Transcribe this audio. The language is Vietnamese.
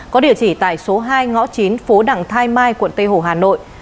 có địa chỉ tại số hai ngõ chín phố đằng thai mai quận tây hồ hà nội